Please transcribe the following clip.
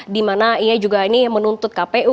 dimana ia juga ini menuntut kpu